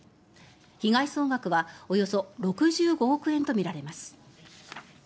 被害総額はおよそ６５億円とみられます。